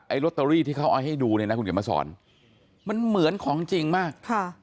ลอตเตอรี่ที่เขาเอาให้ดูเนี่ยนะคุณเขียนมาสอนมันเหมือนของจริงมากค่ะ